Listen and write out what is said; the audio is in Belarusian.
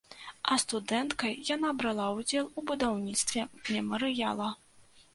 А студэнткай яна брала ўдзел у будаўніцтве мемарыяла.